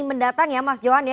mendatang ya mas johan ya